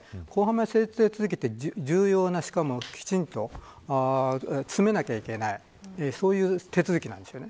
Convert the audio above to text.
前整理手続きって重要なしかもきちんと詰めないといけないそういう手続きなんですよね。